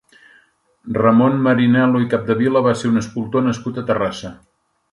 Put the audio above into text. Ramon Marinel·lo i Capdevila va ser un escultor nascut a Terrassa.